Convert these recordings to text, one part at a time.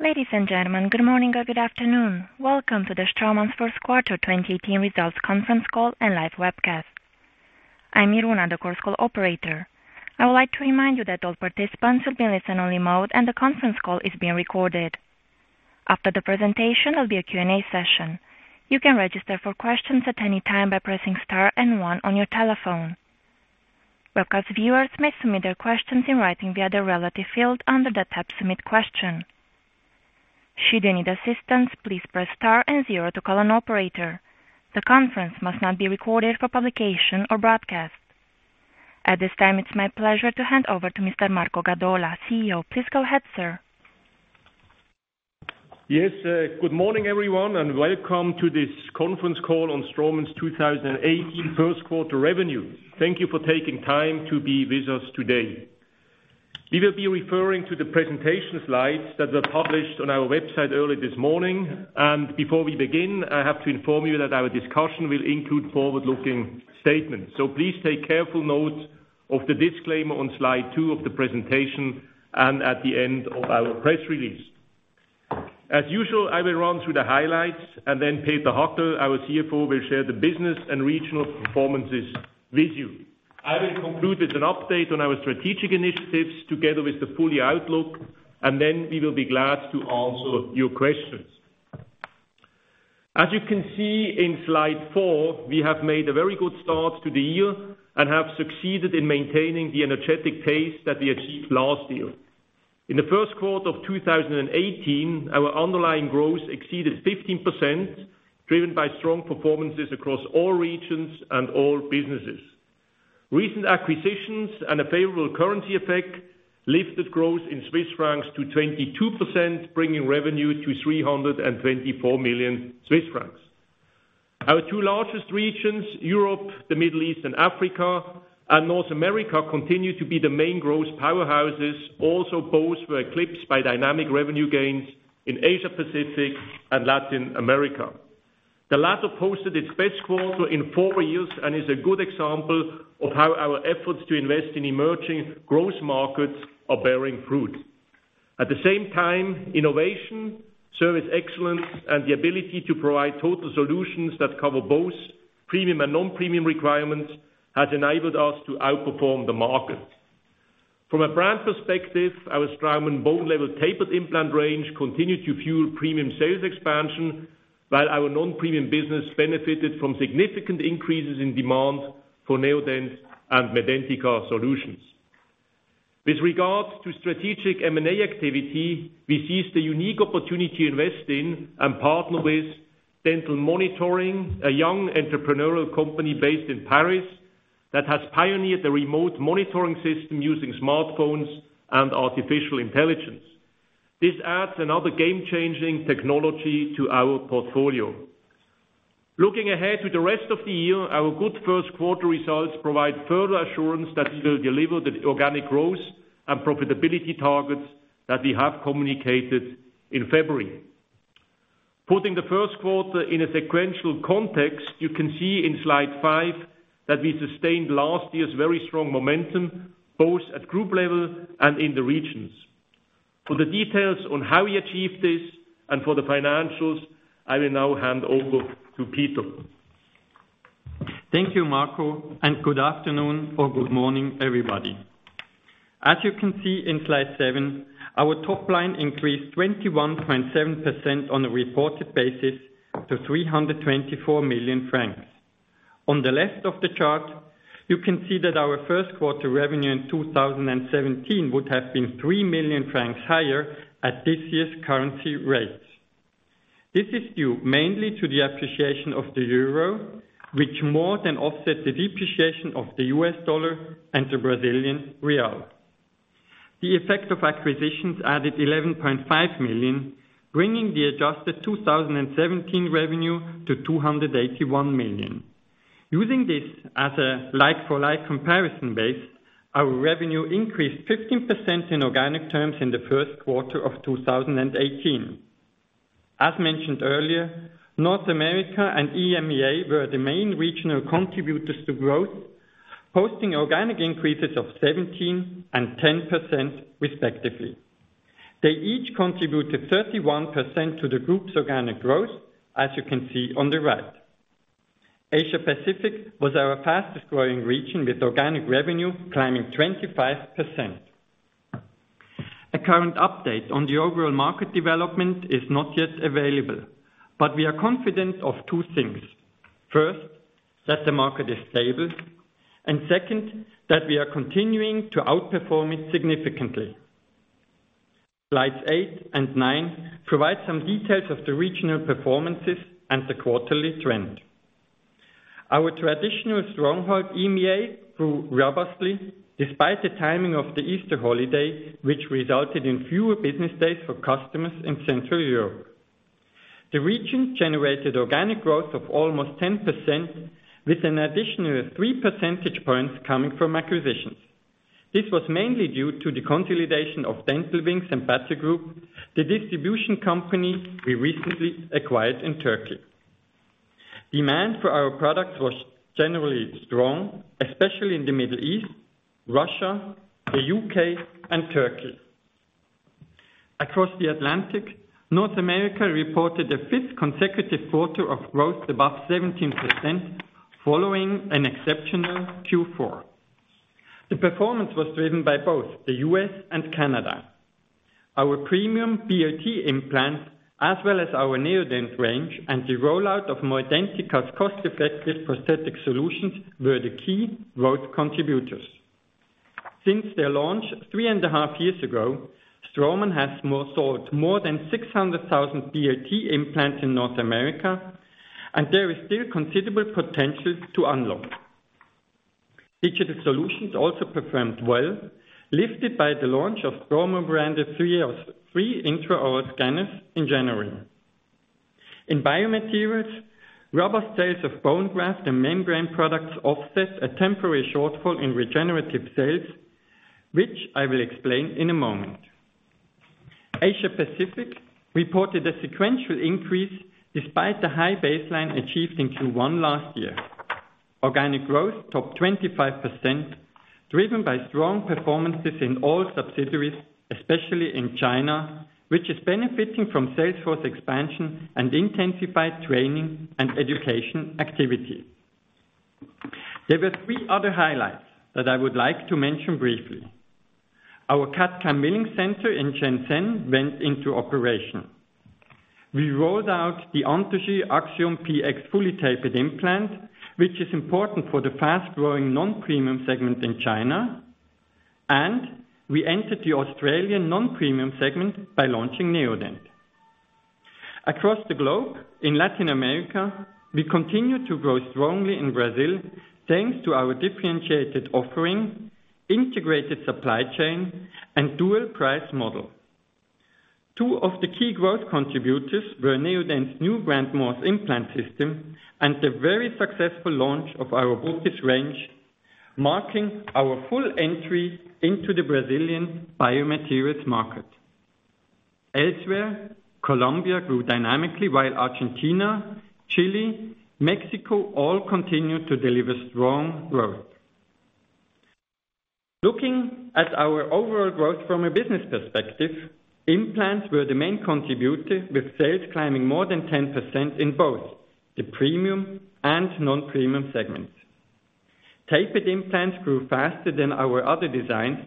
Ladies and gentlemen, good morning or good afternoon. Welcome to the Straumann's first quarter 2018 results conference call and live webcast. I'm Iruna, the Chorus Call operator. I would like to remind you that all participants will be in listen-only mode and the conference call is being recorded. After the presentation, there'll be a Q&A session. You can register for questions at any time by pressing star and one on your telephone. Webcast viewers may submit their questions in writing via the relative field under the tab, Submit Question. Should you need assistance, please press Star and zero to call an operator. The conference must not be recorded for publication or broadcast. At this time, it's my pleasure to hand over to Mr. Marco Gadola, CEO. Please go ahead, sir. Yes. Good morning, everyone, and welcome to this conference call on Straumann's 2018 first quarter revenue. Thank you for taking time to be with us today. We will be referring to the presentation slides that were published on our website early this morning. Before we begin, I have to inform you that our discussion will include forward-looking statements. Please take careful note of the disclaimer on slide two of the presentation and at the end of our press release. As usual, I will run through the highlights and then Peter Hackel, our CFO, will share the business and regional performances with you. I will conclude with an update on our strategic initiatives together with the full year outlook, and then we will be glad to answer your questions. As you can see in slide four, we have made a very good start to the year and have succeeded in maintaining the energetic pace that we achieved last year. In the first quarter of 2018, our underlying growth exceeded 15%, driven by strong performances across all regions and all businesses. Recent acquisitions and a favorable currency effect lifted growth in CHF to 22%, bringing revenue to 324 million Swiss francs. Our two largest regions, Europe, the Middle East and Africa, and North America, continue to be the main growth powerhouses, also both were eclipsed by dynamic revenue gains in Asia-Pacific and Latin America. The latter posted its best quarter in four years and is a good example of how our efforts to invest in emerging growth markets are bearing fruit. At the same time, innovation, service excellence, and the ability to provide total solutions that cover both premium and non-premium requirements has enabled us to outperform the market. From a brand perspective, our Straumann Bone Level Tapered implant range continued to fuel premium sales expansion, while our non-premium business benefited from significant increases in demand for Neodent and Medentika solutions. With regards to strategic M&A activity, we seized the unique opportunity to invest in and partner with Dental Monitoring, a young entrepreneurial company based in Paris that has pioneered the remote monitoring system using smartphones and artificial intelligence. This adds another game-changing technology to our portfolio. Looking ahead to the rest of the year, our good first quarter results provide further assurance that we will deliver the organic growth and profitability targets that we have communicated in February. Putting the first quarter in a sequential context, you can see in slide five that we sustained last year's very strong momentum, both at group level and in the regions. For the details on how we achieved this and for the financials, I will now hand over to Peter. Thank you, Marco, and good afternoon or good morning, everybody. As you can see in slide seven, our top line increased 21.7% on a reported basis to 324 million francs. On the left of the chart, you can see that our first quarter revenue in 2017 would have been three million CHF higher at this year's currency rates. This is due mainly to the appreciation of the euro, which more than offset the depreciation of the US dollar and the Brazilian real. The effect of acquisitions added 11.5 million, bringing the adjusted 2017 revenue to 281 million. Using this as a like-for-like comparison base, our revenue increased 15% in organic terms in the first quarter of 2018. As mentioned earlier, North America and EMEA were the main regional contributors to growth, posting organic increases of 17% and 10%, respectively. They each contributed 31% to the group's organic growth, as you can see on the right. Asia-Pacific was our fastest-growing region, with organic revenue climbing 25%. A current update on the overall market development is not yet available, but we are confident of two things. First, that the market is stable, and second, that we are continuing to outperform it significantly. Slides eight and nine provide some details of the regional performances and the quarterly trend. Our traditional stronghold, EMEA, grew robustly despite the timing of the Easter holiday, which resulted in fewer business days for customers in Central Europe. The region generated organic growth of almost 10%, with an additional three percentage points coming from acquisitions. This was mainly due to the consolidation of Dental Wings and Batigroup, the distribution company we recently acquired in Turkey. Demand for our products was generally strong, especially in the Middle East, Russia, the U.K., and Turkey. Across the Atlantic, North America reported a fifth consecutive quarter of growth above 17%, following an exceptional Q4. The performance was driven by both the U.S. and Canada. Our premium BLT implants, as well as our Neodent range and the rollout of Medentika cost-effective prosthetic solutions, were the key growth contributors. Since their launch three and a half years ago, Straumann has sold more than 600,000 BLT implants in North America, and there is still considerable potential to unlock. Digital solutions also performed well, lifted by the launch of Straumann-branded TRIOS intraoral scanners in January. In biomaterials, robust sales of bone graft and membrane products offset a temporary shortfall in regenerative sales, which I will explain in a moment. Asia-Pacific reported a sequential increase despite the high baseline achieved in Q1 last year. Organic growth topped 25%, driven by strong performances in all subsidiaries, especially in China, which is benefiting from sales force expansion and intensified training and education activity. There were three other highlights that I would like to mention briefly. Our CAD/CAM milling center in Shenzhen went into operation. We rolled out the Anthogyr Axiom PX fully tapered implant, which is important for the fast-growing non-premium segment in China, and we entered the Australian non-premium segment by launching Neodent. Across the globe, in Latin America, we continue to grow strongly in Brazil, thanks to our differentiated offering, integrated supply chain, and dual price model. Two of the key growth contributors were Neodent's new brand, Grand Morse Implant System, and the very successful launch of our botiss range, marking our full entry into the Brazilian biomaterials market. Elsewhere, Colombia grew dynamically while Argentina, Chile, Mexico all continued to deliver strong growth. Looking at our overall growth from a business perspective, implants were the main contributor, with sales climbing more than 10% in both the premium and non-premium segments. Tapered implants grew faster than our other designs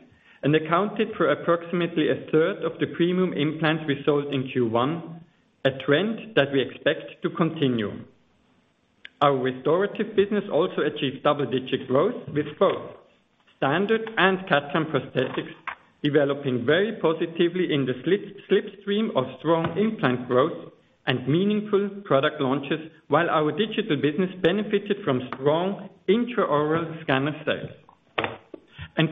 and accounted for approximately a third of the premium implants we sold in Q1, a trend that we expect to continue. Our restorative business also achieved double-digit growth with both standard and CAD/CAM prosthetics developing very positively in the slipstream of strong implant growth and meaningful product launches while our digital business benefited from strong intraoral scanner sales.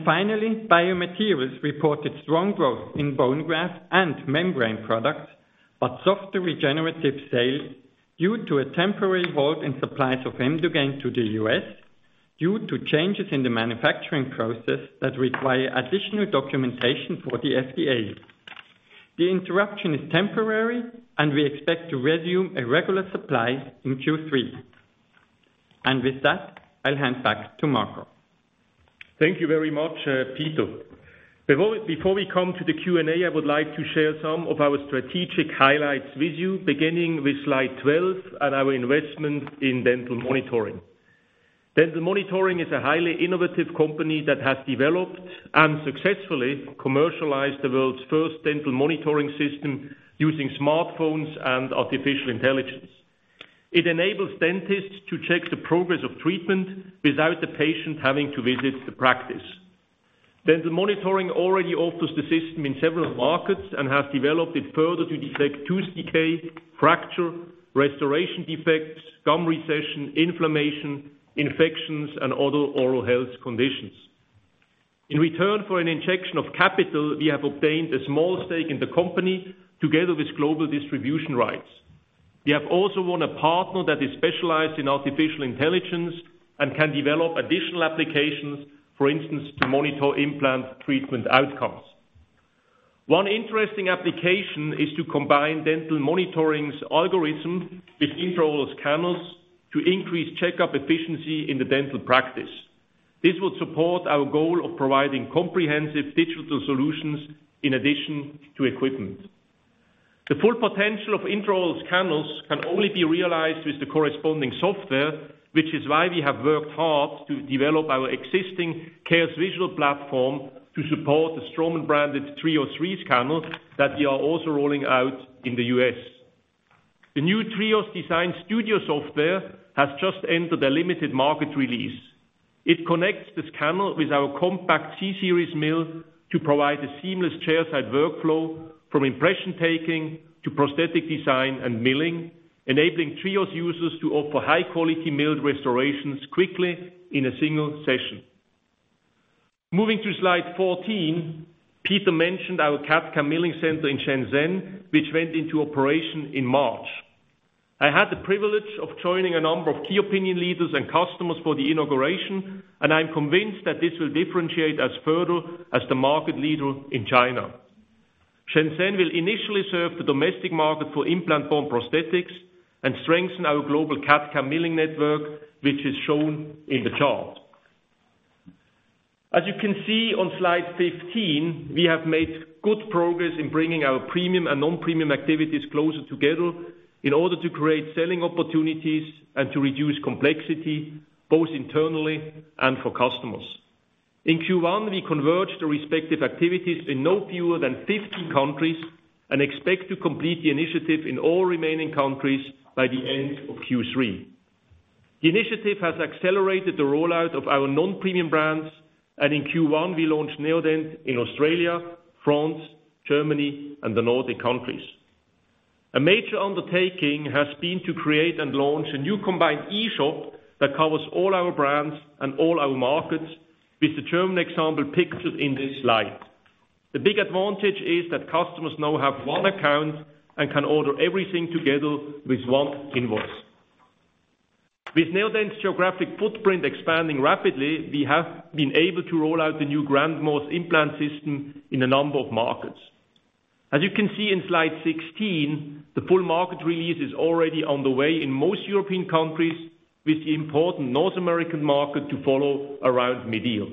Finally, biomaterials reported strong growth in bone graft and membrane products, but softer regenerative sales due to a temporary halt in supplies of Emdogain to the U.S. due to changes in the manufacturing process that require additional documentation for the FDA. The interruption is temporary, we expect to resume a regular supply in Q3. With that, I'll hand back to Marco. Thank you very much, Peter. Before we come to the Q&A, I would like to share some of our strategic highlights with you, beginning with slide 12 and our investment in Dental Monitoring. Dental Monitoring is a highly innovative company that has developed and successfully commercialized the world's first dental monitoring system using smartphones and artificial intelligence. It enables dentists to check the progress of treatment without the patient having to visit the practice. Dental Monitoring already offers the system in several markets and has developed it further to detect tooth decay, fracture, restoration defects, gum recession, inflammation, infections, and other oral health conditions. In return for an injection of capital, we have obtained a small stake in the company, together with global distribution rights. We have also won a partner that is specialized in artificial intelligence and can develop additional applications, for instance, to monitor implant treatment outcomes. One interesting application is to combine Dental Monitoring's algorithm with intraoral scanners to increase checkup efficiency in the dental practice. This will support our goal of providing comprehensive digital solutions in addition to equipment. The full potential of intraoral scanners can only be realized with the corresponding software, which is why we have worked hard to develop our existing CARES visual platform to support the Straumann-branded TRIOS 3 scanner that we are also rolling out in the U.S. The new TRIOS Design Studio software has just entered a limited market release. It connects the scanner with our compact C-Series mill to provide a seamless chairside workflow from impression taking to prosthetic design and milling, enabling TRIOS users to offer high-quality milled restorations quickly in a single session. Moving to slide 14, Peter mentioned our CAD/CAM milling center in Shenzhen, which went into operation in March. I had the privilege of joining a number of key opinion leaders and customers for the inauguration, I'm convinced that this will differentiate us further as the market leader in China. Shenzhen will initially serve the domestic market for implant-born prosthetics and strengthen our global CAD/CAM milling network, which is shown in the chart. As you can see on slide 15, we have made good progress in bringing our premium and non-premium activities closer together in order to create selling opportunities and to reduce complexity, both internally and for customers. In Q1, we converged the respective activities in no fewer than 50 countries and expect to complete the initiative in all remaining countries by the end of Q3. The initiative has accelerated the rollout of our non-premium brands, in Q1, we launched Neodent in Australia, France, Germany, and the Nordic countries. A major undertaking has been to create and launch a new combined eShop that covers all our brands and all our markets, with the German example pictured in this slide. The big advantage is that customers now have one account and can order everything together with one invoice. With Neodent's geographic footprint expanding rapidly, we have been able to roll out the new Grand Morse Implant System in a number of markets. As you can see in slide 16, the full market release is already on the way in most European countries, with the important North American market to follow around mid-year.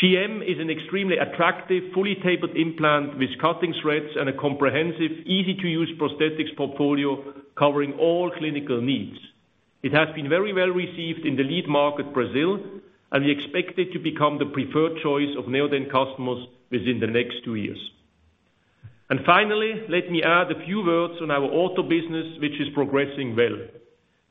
GM is an extremely attractive, fully tapered implant with cutting threads and a comprehensive, easy-to-use prosthetics portfolio covering all clinical needs. It has been very well received in the lead market, Brazil, We expect it to become the preferred choice of Neodent customers within the next two years. Finally, let me add a few words on our ortho business, which is progressing well.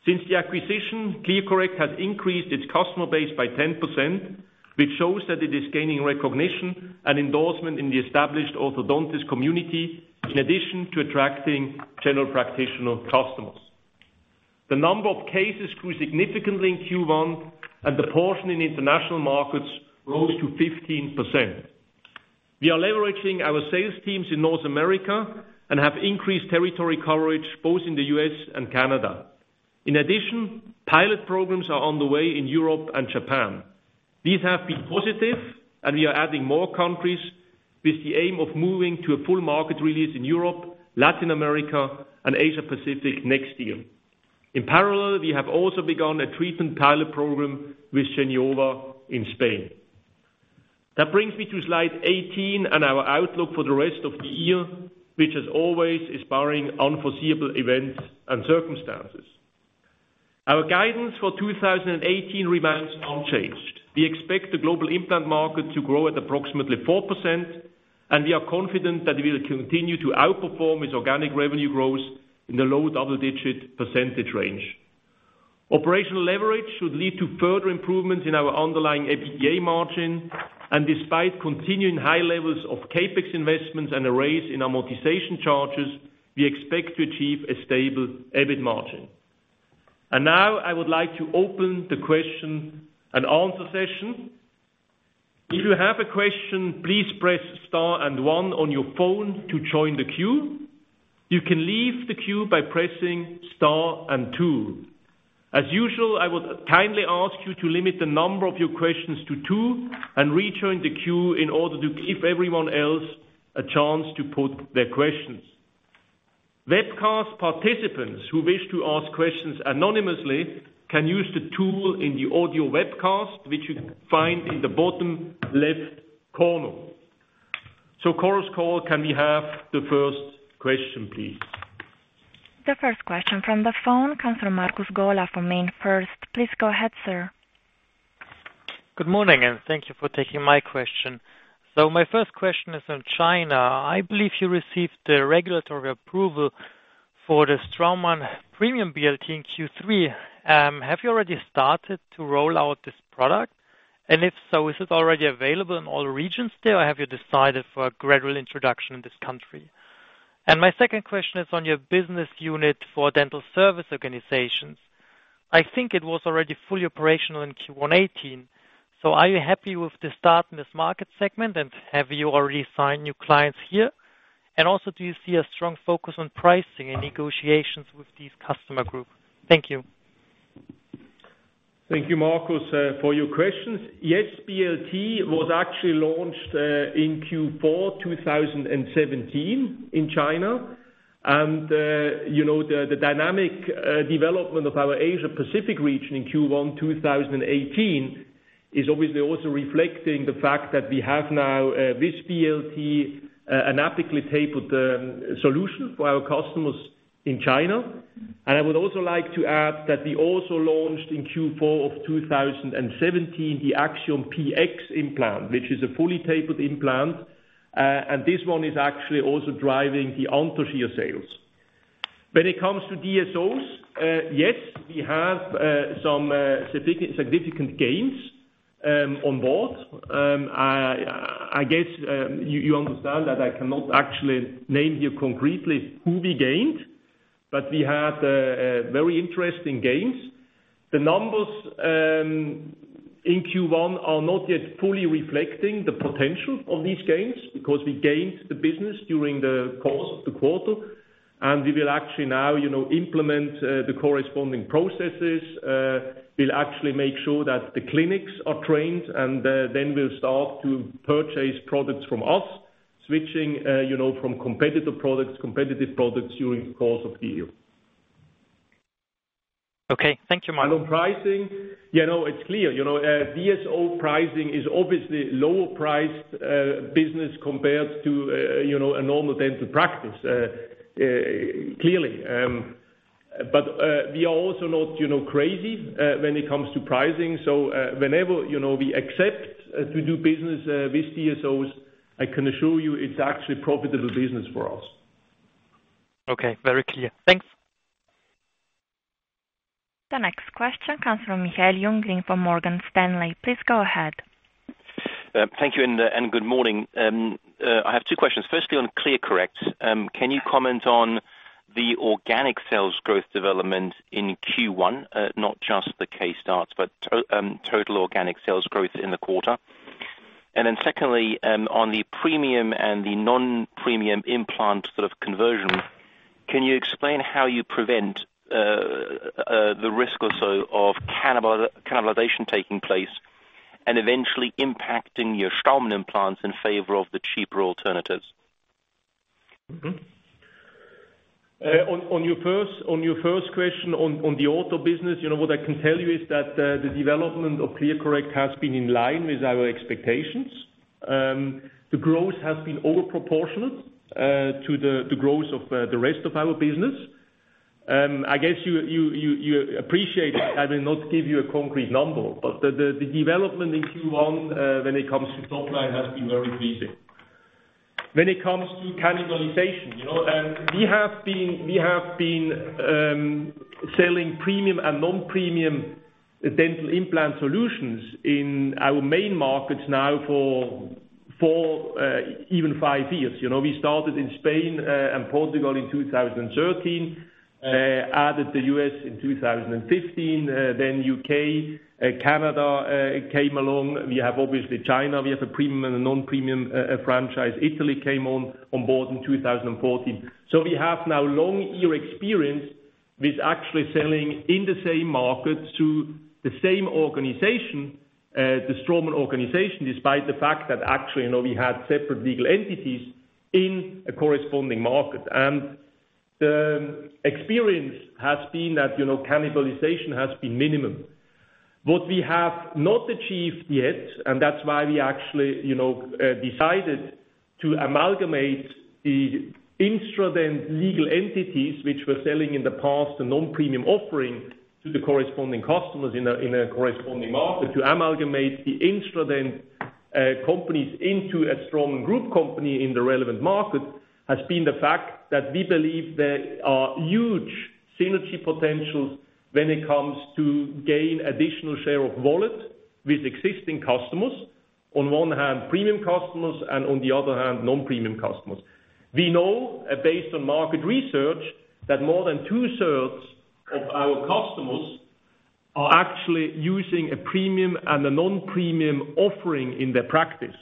Since the acquisition, ClearCorrect has increased its customer base by 10%, which shows that it is gaining recognition and endorsement in the established orthodontist community, in addition to attracting general practitioner customers. The number of cases grew significantly in Q1, and the portion in international markets rose to 15%. We are leveraging our sales teams in North America and have increased territory coverage both in the U.S. and Canada. In addition, pilot programs are on the way in Europe and Japan. These have been positive, We are adding more countries with the aim of moving to a full market release in Europe, Latin America, and Asia-Pacific next year. In parallel, we have also begun a treatment pilot program with Geniova in Spain. That brings me to slide 18 and our outlook for the rest of the year, which, as always, is barring unforeseeable events and circumstances. Our guidance for 2018 remains unchanged. We expect the global implant market to grow at approximately 4%, and we are confident that we will continue to outperform its organic revenue growth in the low double-digit percentage range. Operational leverage should lead to further improvements in our underlying EBITDA margin, despite continuing high levels of CapEx investments and a raise in amortization charges, we expect to achieve a stable EBIT margin. Now I would like to open the question and answer session. If you have a question, please press star and one on your phone to join the queue. You can leave the queue by pressing star and two. As usual, I would kindly ask you to limit the number of your questions to two and rejoin the queue in order to give everyone else a chance to put their questions. Webcast participants who wish to ask questions anonymously can use the tool in the audio webcast, which you find in the bottom left corner. Chorus Call, can we have the first question, please? The first question from the phone comes from Markus Galler from MainFirst. Please go ahead, sir. Good morning, thank you for taking my question. My first question is on China. I believe you received the regulatory approval for the Straumann premium BLT in Q3. Have you already started to roll out this product? If so, is it already available in all regions there, or have you decided for a gradual introduction in this country? My second question is on your business unit for dental service organizations. I think it was already fully operational in Q1 2018. Are you happy with the start in this market segment, and have you already signed new clients here? Also, do you see a strong focus on pricing and negotiations with this customer group? Thank you. Thank you, Markus, for your questions. BLT was actually launched in Q4 2017 in China. The dynamic development of our Asia-Pacific region in Q1 2018 is obviously also reflecting the fact that we have now this BLT, an apically tapered solution for our customers in China. I would also like to add that we also launched in Q4 of 2017 the Axiom PX implant, which is a fully tapered implant. This one is actually also driving the Anthogyr sales. When it comes to DSOs, yes, we have some significant gains on board. I guess you understand that I cannot actually name you concretely who we gained, we had very interesting gains. The numbers in Q1 are not yet fully reflecting the potential of these gains because we gained the business during the course of the quarter. We will actually now implement the corresponding processes. We'll actually make sure that the clinics are trained, we'll start to purchase products from us, switching from competitive products during the course of the year. Okay. Thank you, Marco. On pricing, it's clear. DSO pricing is obviously lower priced business compared to a normal dental practice, clearly. We are also not crazy when it comes to pricing, whenever we accept to do business with DSOs, I can assure you it's actually profitable business for us. Okay. Very clear. Thanks. The next question comes from Michael Jung from Morgan Stanley. Please go ahead. Thank you. Good morning. I have two questions. Firstly, on ClearCorrect. Can you comment on the organic sales growth development in Q1, not just the case starts, but total organic sales growth in the quarter? Then secondly, on the premium and the non-premium implant sort of conversion, can you explain how you prevent the risk or so of cannibalization taking place and eventually impacting your Straumann implants in favor of the cheaper alternatives? On your first question on the ortho business, what I can tell you is that the development of ClearCorrect has been in line with our expectations. The growth has been over proportional to the growth of the rest of our business. I guess you appreciate I will not give you a concrete number. The development in Q1 when it comes to top line has been very pleasing. When it comes to cannibalization, we have been selling premium and non-premium dental implant solutions in our main markets now for four, even five years. We started in Spain and Portugal in 2013, added the U.S. in 2015, then U.K., Canada came along. We have obviously China, we have a premium and a non-premium franchise. Italy came on board in 2014. We have now long-year experience with actually selling in the same markets to the same organization, the Straumann organization, despite the fact that actually, we had separate legal entities in a corresponding market. The experience has been that cannibalization has been minimum. What we have not achieved yet, and that is why we actually decided to amalgamate the instrument legal entities which were selling in the past a non-premium offering to the corresponding customers in a corresponding market, to amalgamate the instrument companies into a Straumann Group company in the relevant market, has been the fact that we believe there are huge synergy potentials when it comes to gain additional share of wallet with existing customers. On one hand, premium customers, and on the other hand, non-premium customers. We know based on market research that more than two-thirds of our customers are actually using a premium and a non-premium offering in their practice.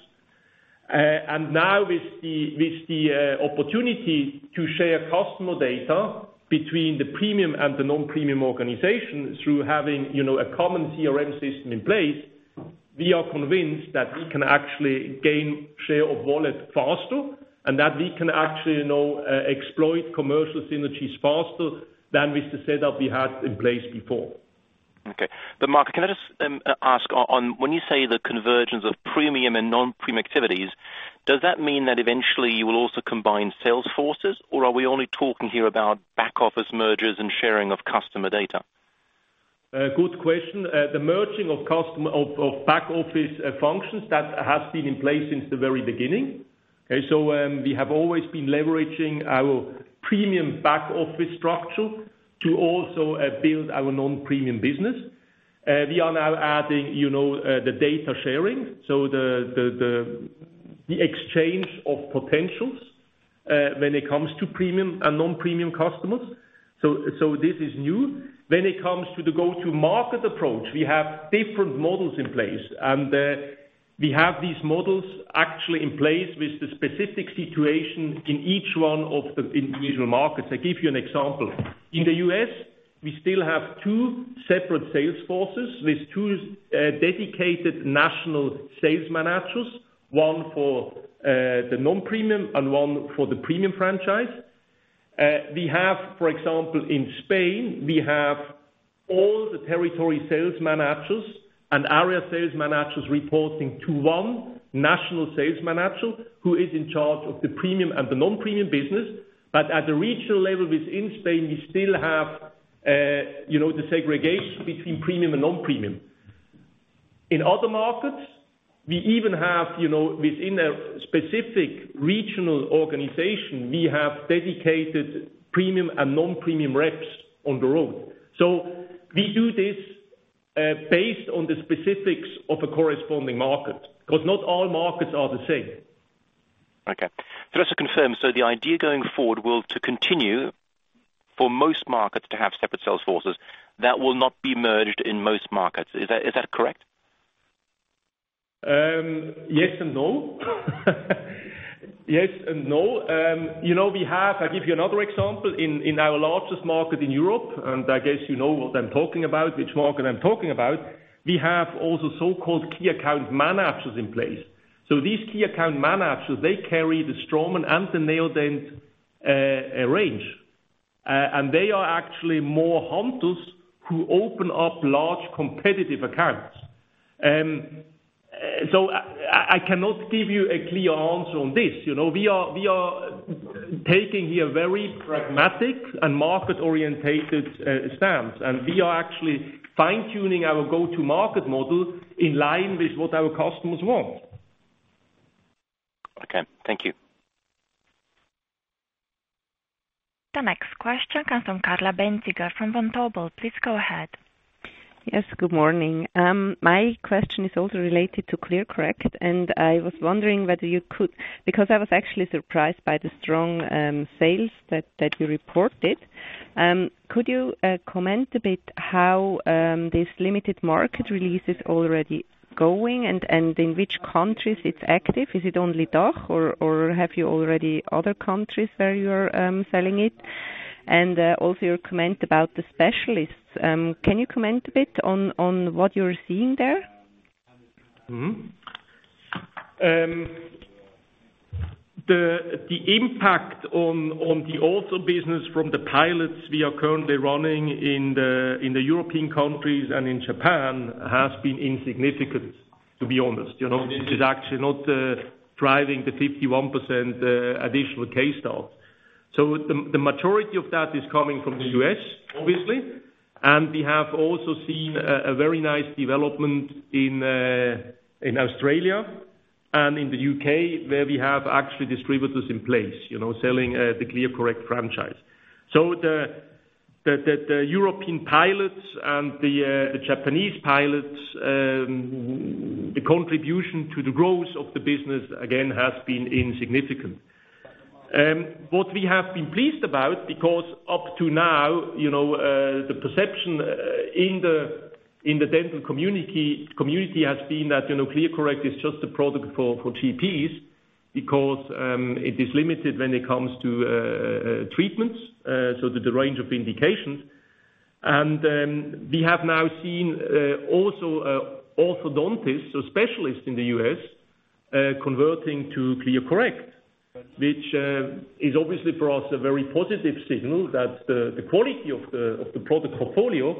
Now with the opportunity to share customer data between the premium and the non-premium organization through having a common CRM system in place, we are convinced that we can actually gain share of wallet faster and that we can actually exploit commercial synergies faster than with the setup we had in place before. Okay. Marco, can I just ask on when you say the convergence of premium and non-premium activities, does that mean that eventually you will also combine sales forces, or are we only talking here about back office mergers and sharing of customer data? Good question. The merging of back office functions, that has been in place since the very beginning. We have always been leveraging our premium back office structure to also build our non-premium business. We are now adding the data sharing. The exchange of potentials when it comes to premium and non-premium customers. This is new. When it comes to the go-to market approach, we have different models in place. We have these models actually in place with the specific situation in each one of the individual markets. I give you an example. In the U.S., we still have two separate sales forces with two dedicated national sales managers, one for the non-premium and one for the premium franchise. For example, in Spain, we have all the territory sales managers and area sales managers reporting to one national sales manager who is in charge of the premium and the non-premium business. At the regional level within Spain, we still have the segregation between premium and non-premium. In other markets, within a specific regional organization, we have dedicated premium and non-premium reps on the road. We do this based on the specifics of a corresponding market, because not all markets are the same. Okay. Just to confirm, so the idea going forward will to continue for most markets to have separate sales forces that will not be merged in most markets. Is that correct? Yes and no. Yes and no. I'll give you another example. In our largest market in Europe, and I guess you know what I'm talking about, which market I'm talking about, we have also so-called key account managers in place. These key account managers, they carry the Straumann and the Neodent range. They are actually more hunters who open up large competitive accounts. I cannot give you a clear answer on this. We are taking here very pragmatic and market-orientated stance, and we are actually fine-tuning our go-to-market model in line with what our customers want. Okay. Thank you. The next question comes from Carla Benziger from Vontobel. Please go ahead. Yes, good morning. My question is also related to ClearCorrect. I was wondering whether you could, because I was actually surprised by the strong sales that you reported. Could you comment a bit how this limited market release is already going and in which countries it's active? Is it only DACH or have you already other countries where you are selling it? Also your comment about the specialists. Can you comment a bit on what you're seeing there? The impact on the ortho business from the pilots we are currently running in the European countries and in Japan has been insignificant, to be honest. It is actually not driving the 51% additional case starts. The majority of that is coming from the U.S., obviously. We have also seen a very nice development in Australia and in the U.K., where we have actually distributors in place selling the ClearCorrect franchise. The European pilots and the Japanese pilots, the contribution to the growth of the business again has been insignificant. What we have been pleased about, because up to now the perception in the dental community has been that ClearCorrect is just a product for GPs because it is limited when it comes to treatments, so the range of indications. We have now seen also orthodontists, so specialists in the U.S., converting to ClearCorrect, which is obviously for us a very positive signal that the quality of the product portfolio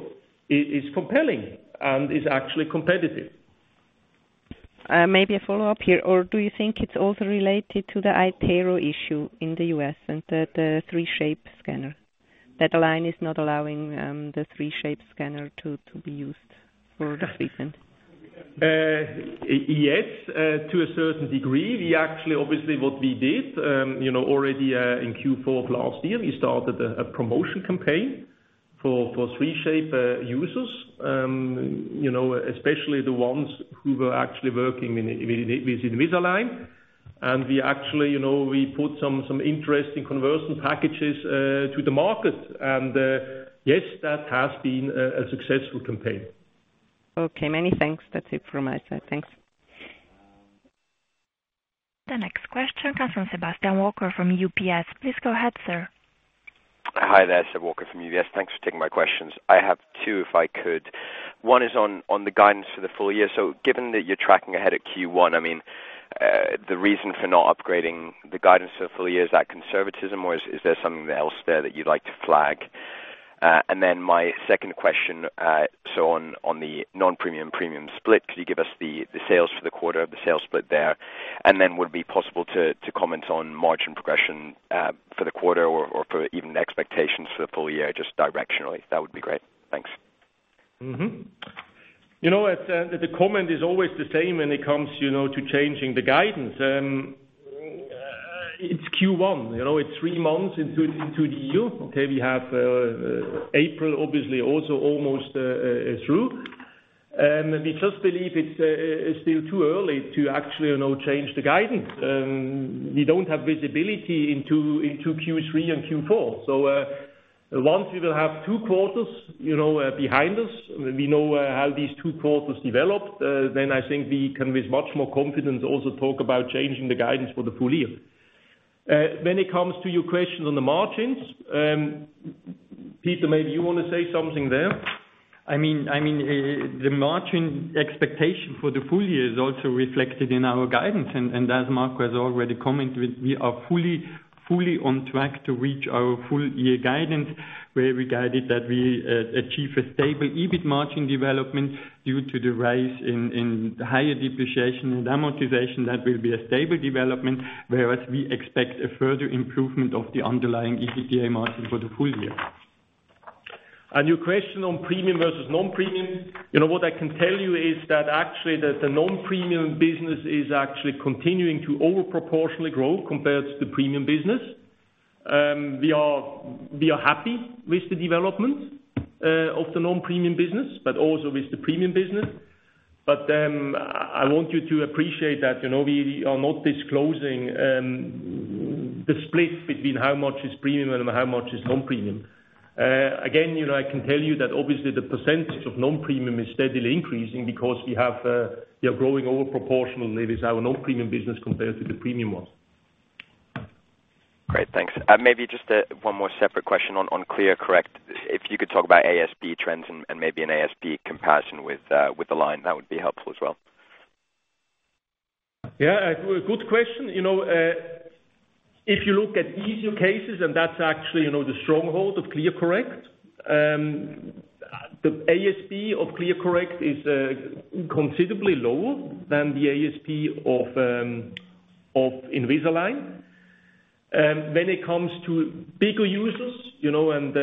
is compelling and is actually competitive. Maybe a follow-up here. Do you think it's also related to the iTero issue in the U.S. and the 3Shape scanner, that Align is not allowing the 3Shape scanner to be used for this reason? Yes, to a certain degree. Actually, obviously what we did already in Q4 of last year, we started a promotion campaign for 3Shape users, especially the ones who were actually working with Invisalign. We put some interesting conversion packages to the market. Yes, that has been a successful campaign. Okay, many thanks. That's it from my side. Thanks. The next question comes from Sebastian Walker from UBS. Please go ahead, sir. Hi there. Seb Walker from UBS. Thanks for taking my questions. I have two, if I could. One is on the guidance for the full year. Given that you're tracking ahead of Q1, the reason for not upgrading the guidance for the full year, is that conservatism or is there something else there that you'd like to flag? My second question, on the non-premium, premium split, could you give us the sales for the quarter, the sales split there? Would it be possible to comment on margin progression for the quarter or for even expectations for the full year, just directionally? That would be great. Thanks. The comment is always the same when it comes to changing the guidance. It's Q1, it's three months into the year. Okay, we have April obviously also almost through. We just believe it's still too early to actually change the guidance. We don't have visibility into Q3 and Q4. Once we will have two quarters behind us, we know how these two quarters developed, then I think we can with much more confidence also talk about changing the guidance for the full year. When it comes to your question on the margins, Peter, maybe you want to say something there? The margin expectation for the full year is also reflected in our guidance. As Marco has already commented, we are fully on track to reach our full year guidance, where we guided that we achieve a stable EBIT margin development due to the rise in higher depreciation and amortization. That will be a stable development, whereas we expect a further improvement of the underlying EBITDA margin for the full year. Your question on premium versus non-premium. What I can tell you is that actually the non-premium business is actually continuing to over-proportionally grow compared to the premium business. We are happy with the development of the non-premium business, but also with the premium business. I want you to appreciate that we are not disclosing the split between how much is premium and how much is non-premium. Again, I can tell you that obviously the percentage of non-premium is steadily increasing because we are growing over-proportionally with our non-premium business compared to the premium one. Great. Thanks. Maybe just one more separate question on ClearCorrect. If you could talk about ASP trends and maybe an ASP comparison with Align, that would be helpful as well. Yeah, a good question. If you look at easier cases, and that's actually the stronghold of ClearCorrect, the ASP of ClearCorrect is considerably lower than the ASP of Invisalign. When it comes to bigger users, and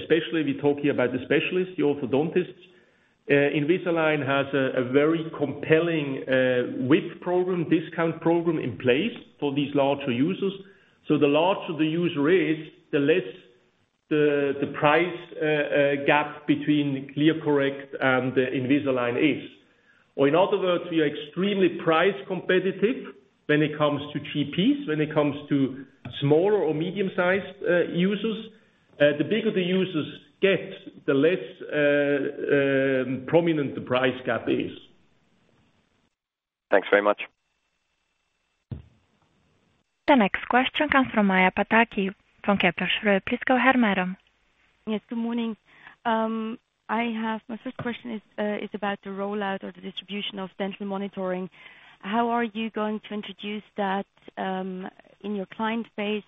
especially we talk here about the specialists, the orthodontists, Invisalign has a very compelling width program, discount program in place for these larger users. The larger the user is, the less the price gap between ClearCorrect and Invisalign is. Or in other words, we are extremely price competitive when it comes to GPs, when it comes to smaller or medium-sized users. The bigger the users get, the less prominent the price gap is. Thanks very much. The next question comes from Maja Pataki from Kepler. Please go ahead, madam. Yes, good morning. My first question is about the rollout or the distribution of Dental Monitoring. How are you going to introduce that in your client base?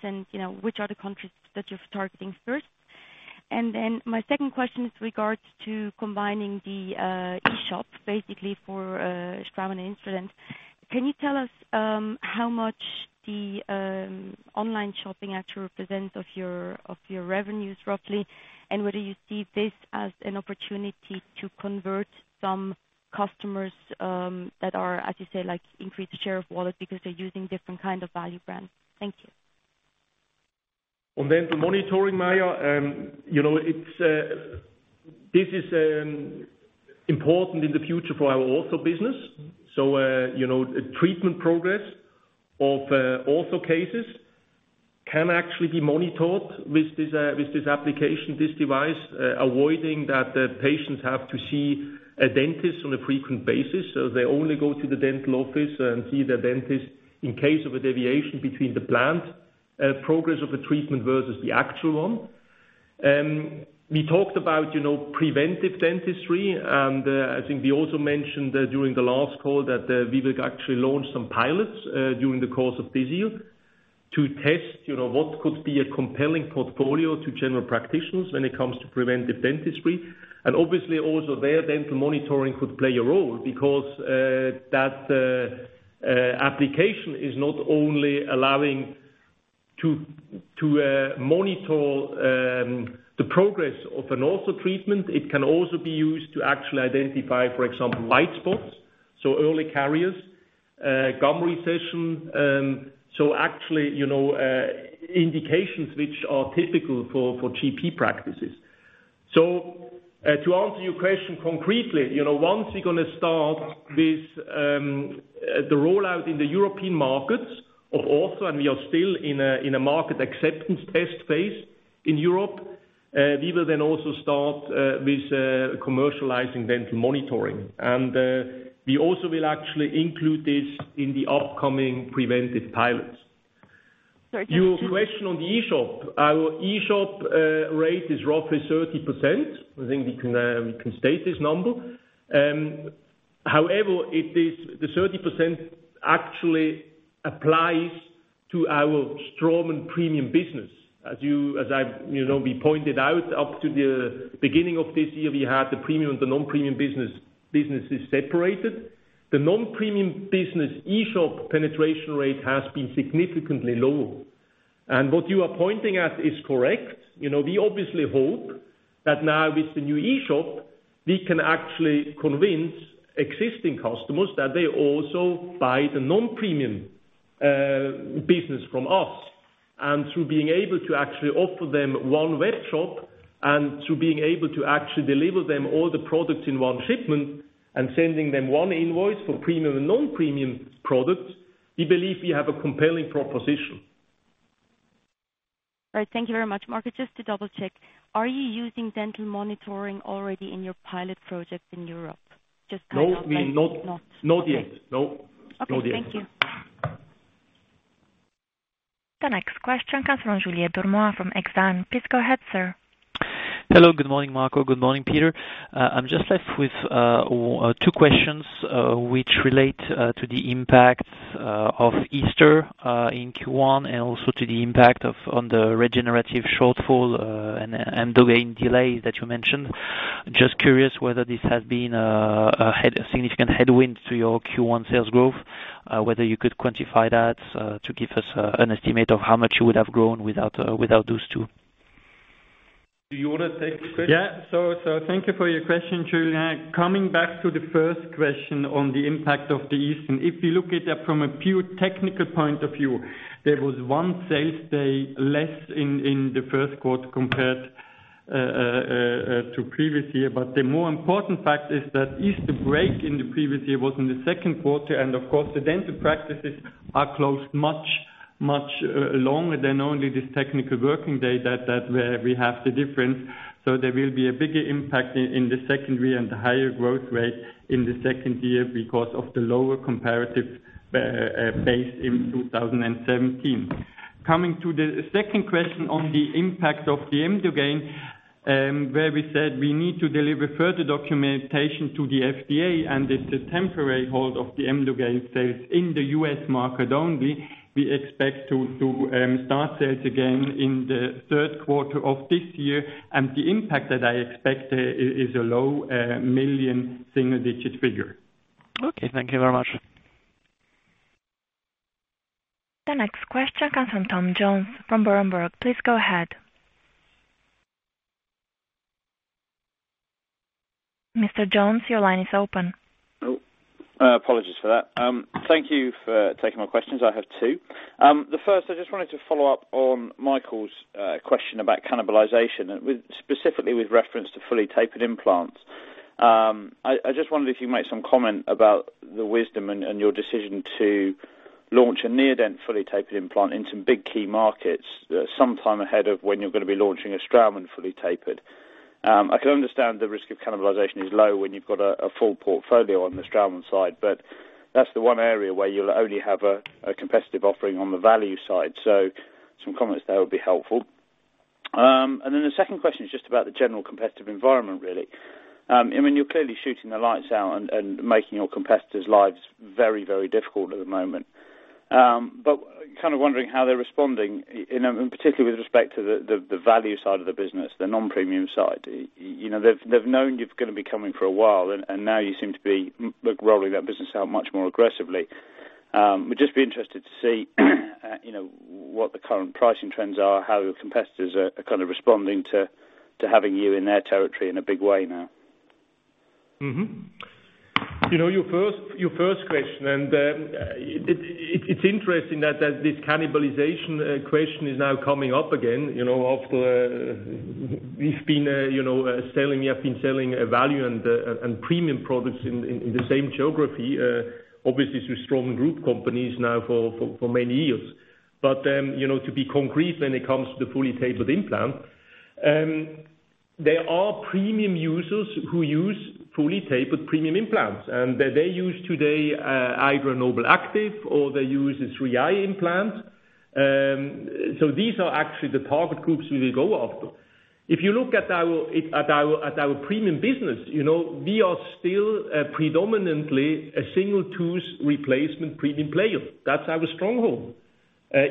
Which are the countries that you're targeting first? My second question is regards to combining the eShop basically for Straumann instruments. Can you tell us how much the online shopping actually represents of your revenues roughly? Whether you see this as an opportunity to convert some customers that are, as you say, increased share of wallet because they're using different kind of value brands. Thank you. On Dental Monitoring, Maja, this is important in the future for our ortho business. Treatment progress of ortho cases can actually be monitored with this application, this device, avoiding that the patients have to see a dentist on a frequent basis. They only go to the dental office and see their dentist in case of a deviation between the planned progress of the treatment versus the actual one. We talked about preventive dentistry and I think we also mentioned during the last call that we will actually launch some pilots during the course of this year to test what could be a compelling portfolio to general practitioners when it comes to preventive dentistry. Obviously also there Dental Monitoring could play a role because that application is not only allowing to monitor the progress of an ortho treatment, it can also be used to actually identify, for example, white spots, early caries, gum recession. Actually, indications which are typical for GP practices. To answer your question concretely, once we're going to start with the rollout in the European markets of ortho, and we are still in a market acceptance test phase in Europe, we will then also start with commercializing Dental Monitoring. We also will actually include this in the upcoming preventive pilots. Sorry, just- Your question on the eShop. Our eShop rate is roughly 30%. I think we can state this number. However, the 30% actually applies to our Straumann premium business. As we pointed out, up to the beginning of this year, we had the premium and the non-premium businesses separated. The non-premium business eShop penetration rate has been significantly low. What you are pointing at is correct. We obviously hope that now with the new eShop, we can actually convince existing customers that they also buy the non-premium business from us. Through being able to actually offer them one web shop and through being able to actually deliver them all the products in one shipment and sending them one invoice for premium and non-premium products, we believe we have a compelling proposition. Right. Thank you very much, Marco. Just to double-check, are you using Dental Monitoring already in your pilot project in Europe? No, we are not. Not yet. Not yet. No. Okay. Not yet. Thank you. The next question comes from Julien Dormois from Exane. Please go ahead, sir. Hello. Good morning, Marco. Good morning, Peter. I'm just left with two questions, which relate to the impact of Easter in Q1 and also to the impact on the regenerative shortfall, and the Emdogain delays that you mentioned. Just curious whether this has been a significant headwind to your Q1 sales growth, whether you could quantify that to give us an estimate of how much you would have grown without those two. Do you want to take the question? Thank you for your question, Julien. Coming back to the first question on the impact of the Easter. If you look at it from a pure technical point of view, there was one sales day less in the first quarter compared to previous year. The more important fact is that Easter break in the previous year was in the second quarter, and of course, the dental practices are closed much, much longer than only this technical working day that we have the difference. There will be a bigger impact in the second quarter and the higher growth rate in the second quarter because of the lower comparative base in 2017. Coming to the second question on the impact of the Emdogain Where we said we need to deliver further documentation to the FDA. It's a temporary hold of the Emdogain sales in the U.S. market only. We expect to start sales again in the third quarter of this year. The impact that I expect is a low single-digit million CHF figure. Okay, thank you very much. The next question comes from Tom Jones from Berenberg. Please go ahead. Mr. Jones, your line is open. Apologies for that. Thank you for taking my questions. I have two. The first, I just wanted to follow up on Michael's question about cannibalization, specifically with reference to fully tapered implants. I just wondered if you'd make some comment about the wisdom and your decision to launch a Neodent fully tapered implant in some big key markets, sometime ahead of when you're going to be launching a Straumann fully tapered. I can understand the risk of cannibalization is low when you've got a full portfolio on the Straumann side, but that's the one area where you'll only have a competitive offering on the value side. Some comments there would be helpful. The second question is just about the general competitive environment, really. You're clearly shooting the lights out and making your competitors' lives very, very difficult at the moment. Kind of wondering how they're responding, and particularly with respect to the value side of the business, the non-premium side. They've known you're going to be coming for a while, and now you seem to be rolling that business out much more aggressively. Would just be interested to see what the current pricing trends are, how your competitors are responding to having you in their territory in a big way now. Mm-hmm. It's interesting that this cannibalization question is now coming up again, after we have been selling value and premium products in the same geography, obviously through Straumann Group companies now for many years. To be concrete, when it comes to the fully tapered implant, there are premium users who use fully tapered premium implants, and they use today either a NobelActive or they use a 3i implant. These are actually the target groups we will go after. If you look at our premium business, we are still predominantly a single tooth replacement premium player. That's our stronghold.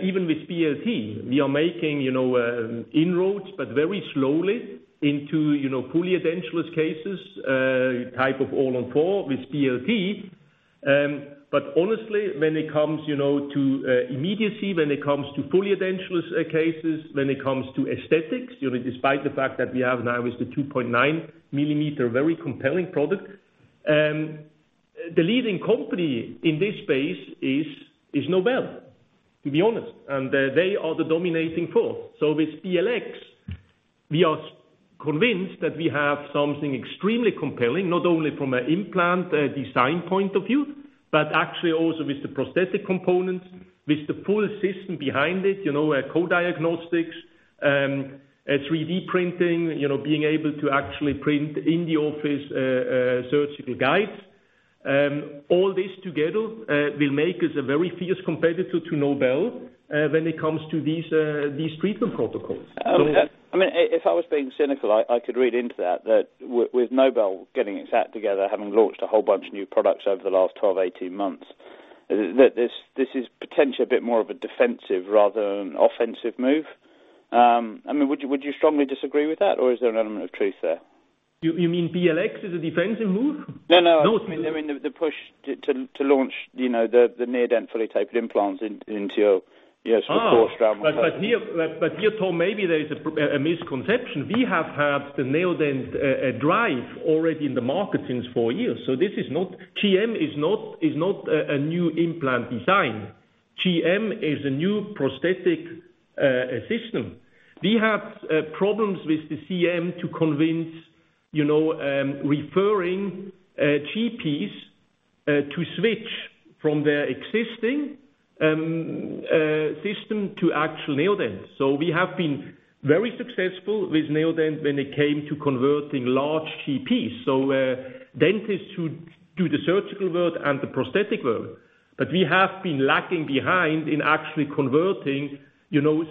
Even with BLT, we are making inroads, but very slowly, into fully edentulous cases, type of All-on-4 with BLT. Honestly, when it comes to immediacy, when it comes to fully edentulous cases, when it comes to aesthetics, despite the fact that we have now is the 2.9 millimeter very compelling product, the leading company in this space is Nobel, to be honest, and they are the dominating force. With BLX, we are convinced that we have something extremely compelling, not only from an implant design point of view, but actually also with the prosthetic components, with the full system behind it, our coDiagnostiX, 3D printing, being able to actually print in the office surgical guides. All this together will make us a very fierce competitor to Nobel when it comes to these treatment protocols. If I was being cynical, I could read into that with Nobel getting its act together, having launched a whole bunch of new products over the last 12, 18 months, that this is potentially a bit more of a defensive rather than offensive move. Would you strongly disagree with that, or is there an element of truth there? You mean BLX is a defensive move? No, I just mean the push to launch the Neodent fully tapered implants into your core Straumann- Here, Tom, maybe there is a misconception. We have had the Neodent Drive already in the market since four years. Grand Morse is not a new implant design. Grand Morse is a new prosthetic system. We have problems with the Cone Morse to convince referring GPs to switch from their existing system to actual Neodent. We have been very successful with Neodent when it came to converting large GPs. Dentists who do the surgical work and the prosthetic work. We have been lagging behind in actually converting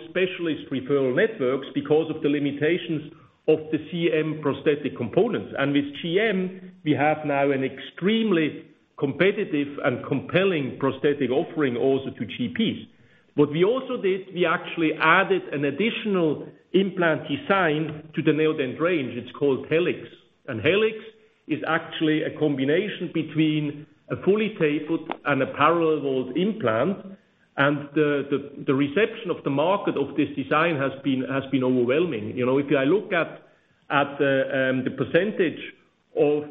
specialist referral networks because of the limitations of the Cone Morse prosthetic components. With Grand Morse, we have now an extremely competitive and compelling prosthetic offering also to GPs. What we also did, we actually added an additional implant design to the Neodent range. It is called Helix. Helix is actually a combination between a fully tapered and a parallel wall implant. The reception of the market of this design has been overwhelming. If I look at the percentage of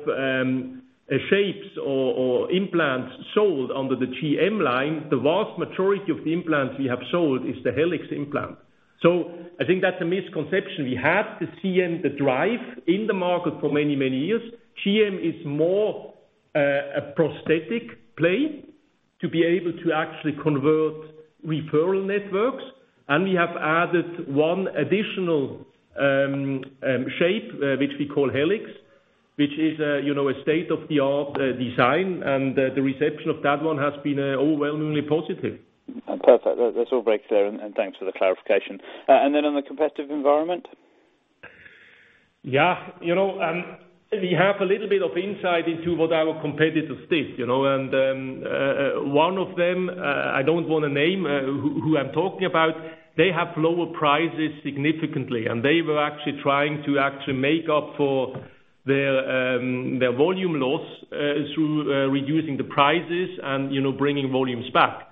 shapes or implants sold under the Grand Morse line, the vast majority of the implants we have sold is the Helix implant. I think that is a misconception. We have the Cone Morse, the Neodent Drive in the market for many, many years. Grand Morse is more a prosthetic play to be able to actually convert referral networks. We have added one additional shape, which we call Helix. It is a state-of-the-art design. The reception of that one has been overwhelmingly positive. Perfect. That is all very clear. Thanks for the clarification. Then on the competitive environment? Yeah. We have a little bit of insight into what our competitors did. One of them, I don't want to name who I'm talking about, they have lower prices significantly, they were actually trying to actually make up for their volume loss through reducing the prices and bringing volumes back.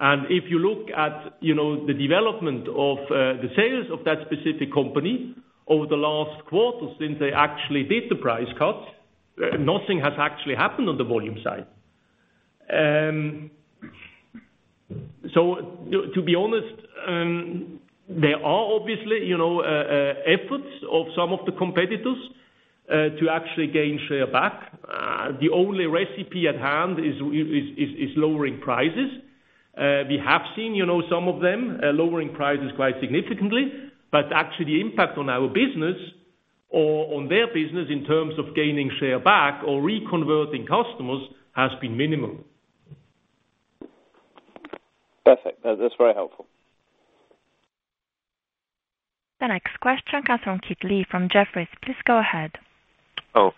If you look at the development of the sales of that specific company over the last quarter since they actually did the price cuts, nothing has actually happened on the volume side. To be honest, there are obviously efforts of some of the competitors, to actually gain share back. The only recipe at hand is lowering prices. We have seen some of them lowering prices quite significantly, but actually the impact on our business or on their business in terms of gaining share back or reconverting customers has been minimal. Perfect. That's very helpful. The next question comes from Kit Lee from Jefferies. Please go ahead.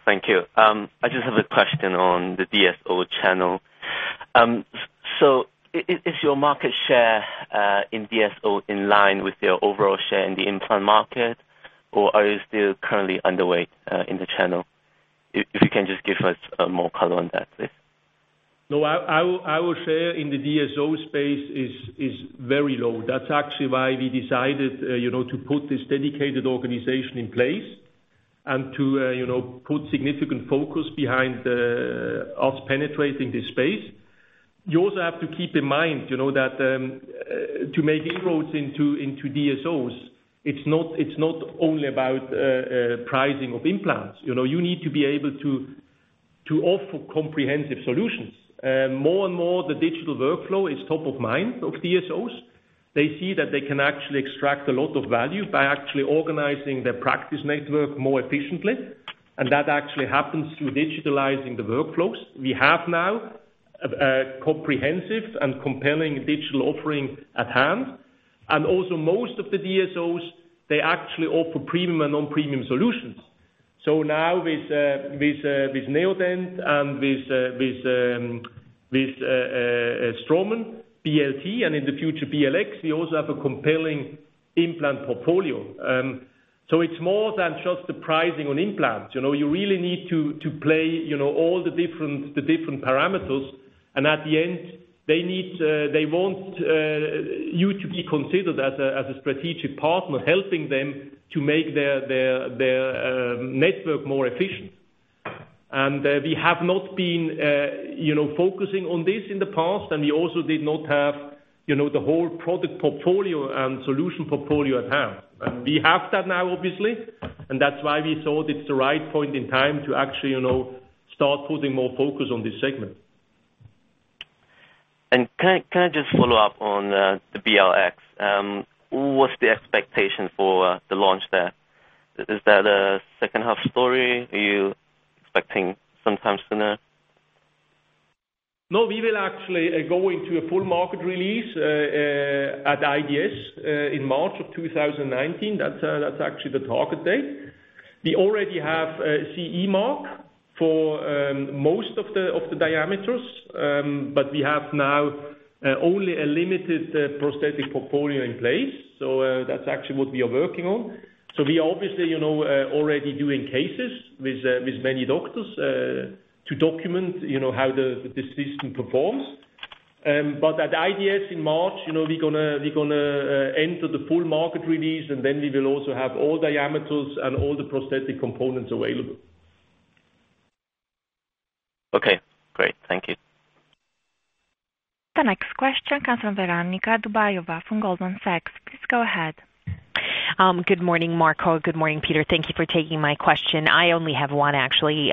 Thank you. I just have a question on the DSO channel. Is your market share, in DSO in line with your overall share in the implant market, or are you still currently underway in the channel? If you can just give us more color on that, please. No, our share in the DSO space is very low. That's actually why we decided to put this dedicated organization in place and to put significant focus behind us penetrating this space. You also have to keep in mind that to make inroads into DSOs, it's not only about pricing of implants. You need to be able to offer comprehensive solutions. More and more, the digital workflow is top of mind of DSOs. They see that they can actually extract a lot of value by actually organizing their practice network more efficiently. That actually happens through digitalizing the workflows. We have now a comprehensive and compelling digital offering at hand. Also most of the DSOs, they actually offer premium and non-premium solutions. Now with Neodent and with Straumann BLT, and in the future, BLX, we also have a compelling implant portfolio. It's more than just the pricing on implants. You really need to play all the different parameters. At the end, they want you to be considered as a strategic partner, helping them to make their network more efficient. We have not been focusing on this in the past, and we also did not have the whole product portfolio and solution portfolio at hand. We have that now, obviously, and that's why we thought it's the right point in time to actually start putting more focus on this segment. Can I just follow up on the BLX? What's the expectation for the launch there? Is that a second-half story? Are you expecting sometime sooner? No, we will actually go into a full market release at IDS in March of 2019. That's actually the target date. We already have a CE mark for most of the diameters, but we have now only a limited prosthetic portfolio in place. That's actually what we are working on. We obviously already doing cases with many doctors to document how the system performs. At IDS in March, we're going to enter the full market release, and then we will also have all diameters and all the prosthetic components available. Okay, great. Thank you. The next question comes from Veronika Dubajova from Goldman Sachs. Please go ahead. Good morning, Marco. Good morning, Peter. Thank you for taking my question. I only have one, actually.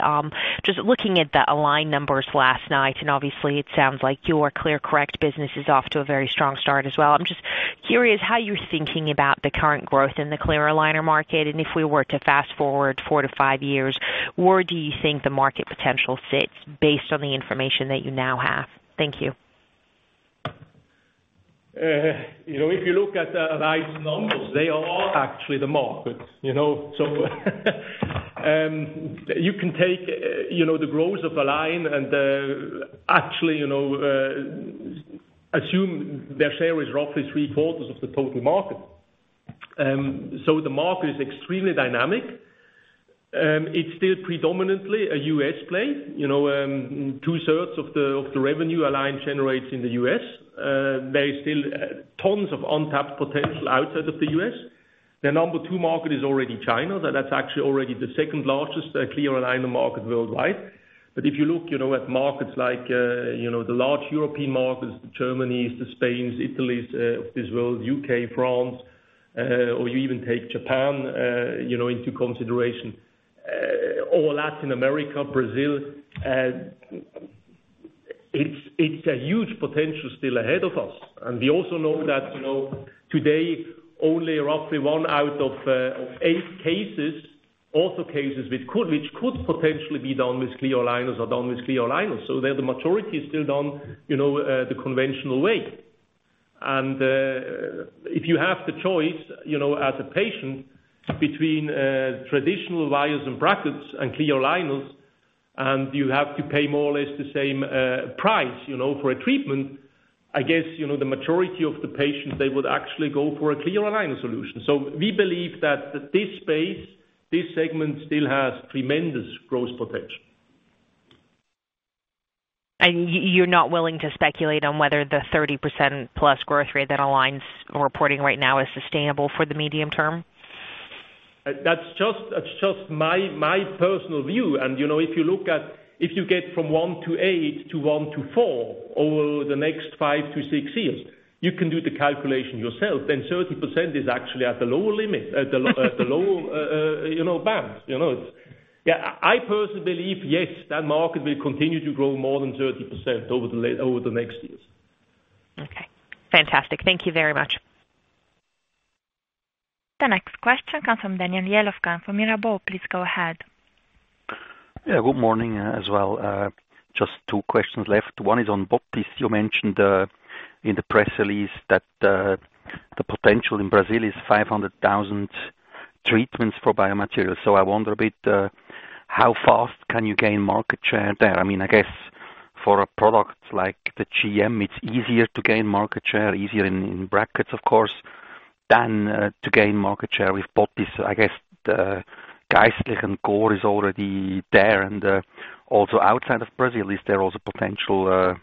Just looking at the Align numbers last night. Obviously it sounds like your ClearCorrect business is off to a very strong start as well. I'm just curious how you're thinking about the current growth in the clear aligner market. If we were to fast-forward four to five years, where do you think the market potential sits based on the information that you now have? Thank you. If you look at the right numbers, they are actually the market. You can take the growth of Align and actually assume their share is roughly three-quarters of the total market. The market is extremely dynamic. It's still predominantly a U.S. play. Two-thirds of the revenue Align generates in the U.S. There is still tons of untapped potential outside of the U.S. Their number 2 market is already China. That's actually already the second-largest clear aligner market worldwide. If you look at markets like the large European markets, the Germanys, the Spains, Italys of this world, U.K., France, or you even take Japan into consideration, or Latin America, Brazil, it's a huge potential still ahead of us. We also know that today only roughly one out of eight cases, ortho cases, which could potentially be done with clear aligners are done with clear aligners. The majority is still done the conventional way. If you have the choice, as a patient between traditional wires and brackets and clear aligners, and you have to pay more or less the same price for a treatment, I guess, the majority of the patients, they would actually go for a clear aligner solution. We believe that this space, this segment still has tremendous growth potential. You're not willing to speculate on whether the 30% plus growth rate that Align is reporting right now is sustainable for the medium term? That's just my personal view. If you get from 1/8 to 1/4 over the next five to six years, you can do the calculation yourself, then 30% is actually at the lower limit, at the lower band. I personally believe, yes, that market will continue to grow more than 30% over the next years. Okay. Fantastic. Thank you very much. The next question comes from Daniel Jelovcan from Mirabaud. Please go ahead. Yeah, good morning as well. Just two questions left. One is on botiss. You mentioned in the press release that the potential in Brazil is 500,000 treatments for biomaterials. I wonder a bit, how fast can you gain market share there? I guess for a product like the GM, it's easier to gain market share, easier in brackets, of course, than to gain market share with botiss. I guess Geistlich and Gore is already there. Also outside of Brazil, is there also potential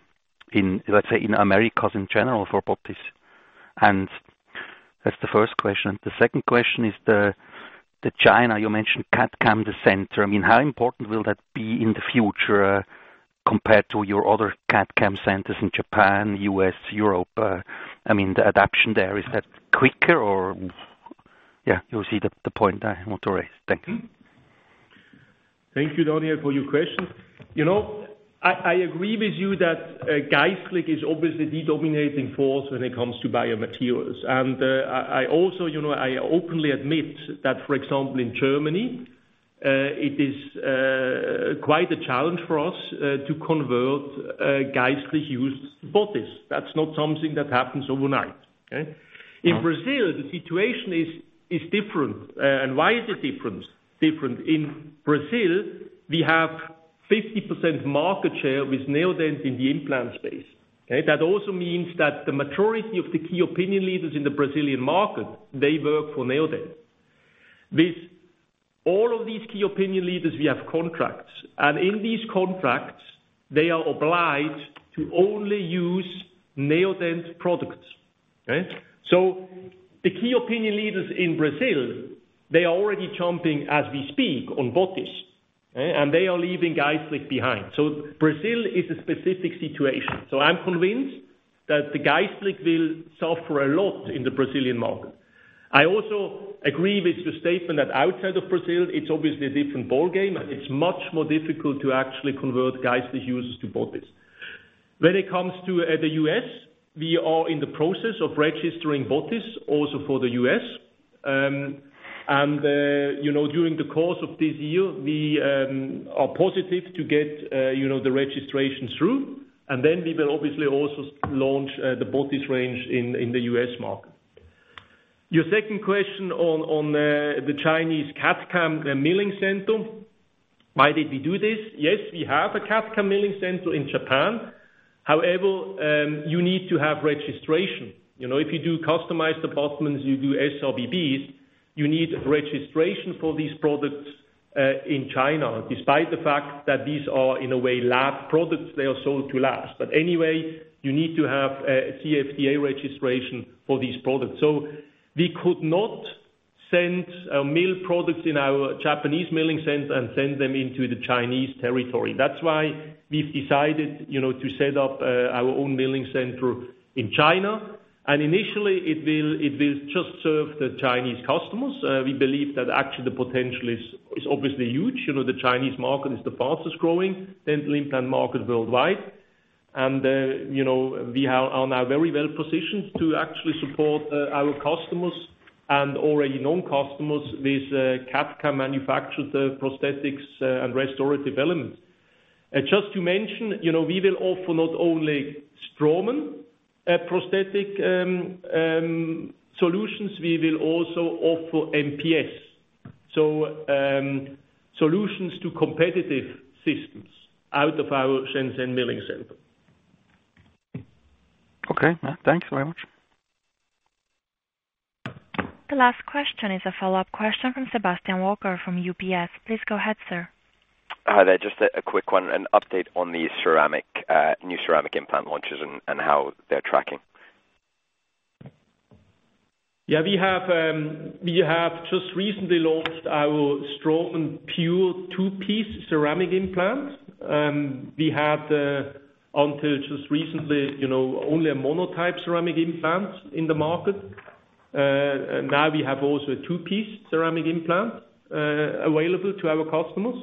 in, let's say, in Americas in general for botiss? That's the first question. The second question is the China, you mentioned CAD/CAM center. How important will that be in the future compared to your other CAD/CAM centers in Japan, U.S., Europe? The adaption there, is that quicker or Yeah, you see the point I want to raise. Thank you. Thank you, Daniel, for your questions. I agree with you that Geistlich is obviously the dominating force when it comes to biomaterials. I openly admit that, for example, in Germany, it is quite a challenge for us to convert Geistlich users to botiss. That's not something that happens overnight, okay? No. In Brazil, the situation is different. Why is it different? In Brazil, we have 50% market share with Neodent in the implant space, okay? That also means that the majority of the key opinion leaders in the Brazilian market, they work for Neodent. With all of these key opinion leaders, we have contracts. In these contracts, they are obliged to only use Neodent products. Okay? The key opinion leaders in Brazil, they are already jumping as we speak on botiss. Okay? They are leaving Geistlich behind. Brazil is a specific situation. I'm convinced that the Geistlich will suffer a lot in the Brazilian market. I also agree with the statement that outside of Brazil, it's obviously a different ballgame, and it's much more difficult to actually convert Geistlich users to botiss. When it comes to the U.S., we are in the process of registering botiss also for the U.S. During the course of this year, we are positive to get the registration through. Then we will obviously also launch the botiss range in the U.S. market. Your second question on the Chinese CAD/CAM milling center. Why did we do this? Yes, we have a CAD/CAM milling center in Japan. However, you need to have registration. If you do customized abutments, you do SRBB, you need registration for these products, in China, despite the fact that these are lab products, they are sold to labs. Anyway, you need to have a CFDA registration for these products. We could not send mill products in our Japanese milling center and send them into the Chinese territory. That's why we've decided to set up our own milling center in China. Initially, it will just serve the Chinese customers. We believe that actually the potential is obviously huge. The Chinese market is the fastest-growing dental implant market worldwide. We are now very well positioned to actually support our customers and already known customers with CAD/CAM manufactured prosthetics and restorative elements. Just to mention, we will offer not only Straumann prosthetic solutions, we will also offer MPS. Solutions to competitive systems out of our Shenzhen milling center. Okay. Thanks very much. The last question is a follow-up question from Sebastian Walker from UBS. Please go ahead, sir. Hi there. Just a quick one. An update on the new ceramic implant launches and how they're tracking. Yeah, we have just recently launched our Straumann PURE two-piece ceramic implant. We had, until just recently, only a monotype ceramic implant in the market. Now we have also a two-piece ceramic implant available to our customers.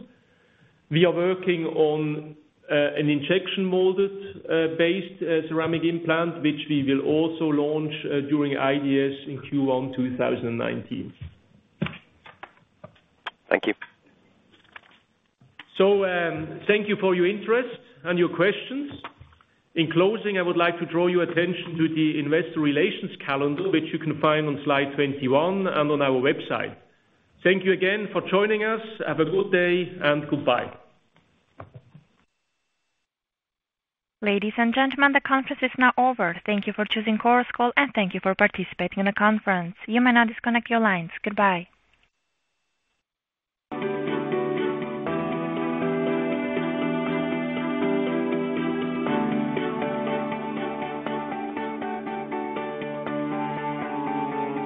We are working on an injection molded based ceramic implant, which we will also launch during IDS in Q1 2019. Thank you. Thank you for your interest and your questions. In closing, I would like to draw your attention to the investor relations calendar, which you can find on slide 21 and on our website. Thank you again for joining us. Have a good day and goodbye. Ladies and gentlemen, the conference is now over. Thank you for choosing Chorus Call, and thank you for participating in the conference. You may now disconnect your lines. Goodbye.